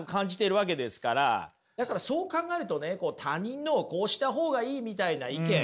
だからそう考えるとね他人のこうした方がいいみたいな意見